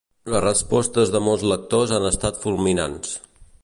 Les respostes de molts lectors han estat fulminants.